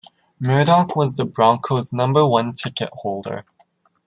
Murdoch was the Broncos' number one ticket holder.